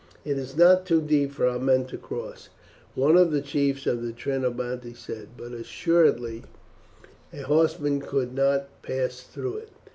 "It is not too deep for our men to cross," one of the chiefs of the Trinobantes said; "but assuredly a horseman could not pass through it."